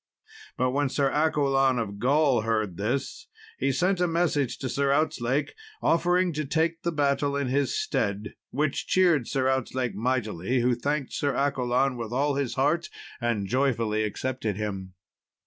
But when Sir Accolon of Gaul heard this, he sent a message to Sir Outzlake offering to take the battle in his stead, which cheered Sir Outzlake mightily, who thanked Sir Accolon with all his heart, and joyfully accepted him.